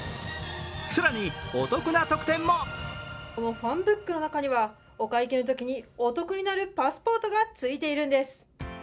更にお得な特典もこのファンブックの中にはお会計のときにお得になるパスポートがついているんです。